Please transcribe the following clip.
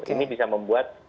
ini bisa membuat